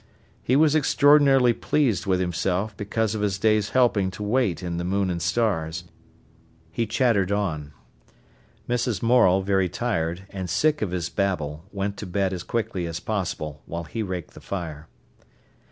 He was extraordinarily pleased with himself, because of his day's helping to wait in the Moon and Stars. He chattered on. Mrs. Morel, very tired, and sick of his babble, went to bed as quickly as possible, while he raked the fire.